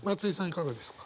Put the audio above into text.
いかがですか？